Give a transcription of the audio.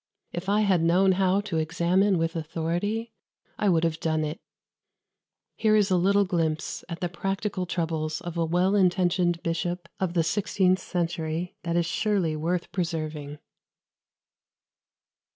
If I had known how to examine with authority, I would have done it." Here is a little glimpse at the practical troubles of a well intentioned bishop of the sixteenth century that is surely worth preserving.